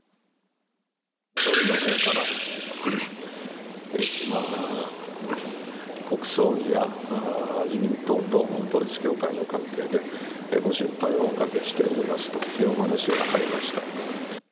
総理のほうから、今、国葬儀や自民党と統一教会の関係で、ご心配をおかけしておりますというお話がありました。